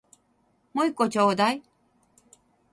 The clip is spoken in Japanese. もう一個ちょうだい